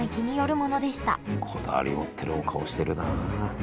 こだわり持ってるお顔してるなあ。